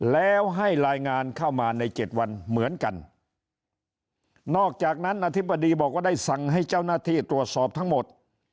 แล้วให้รายงานเข้ามาในเจ็ดวันเหมือนกันนอกจากนั้นอธิบดีบอกว่าได้สั่งให้เจ้าหน้าที่ตรวจสอบทั้งหมด